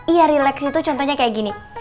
iya relax itu contohnya kayak gini